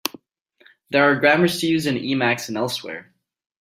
There are grammars to use in Emacs and elsewhere.